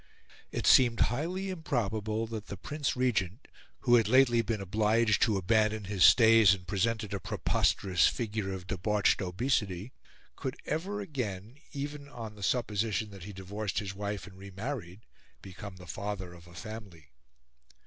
It seemed highly improbable that the Prince Regent, who had lately been obliged to abandon his stays, and presented a preposterous figure of debauched obesity, could ever again, even on the supposition that he divorced his wife and re married, become the father of a family.